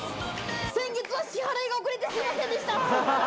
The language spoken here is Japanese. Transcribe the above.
先月は支払いが遅れてすみませんでした！